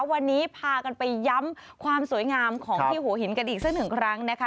วันนี้พากันไปย้ำความสวยงามของที่หัวหินกันอีกสักหนึ่งครั้งนะคะ